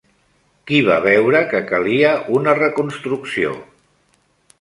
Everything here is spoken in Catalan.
Qui va veure que calia una reconstrucció?